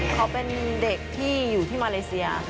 เขาเป็นเด็กที่อยู่ที่มาเลเซีย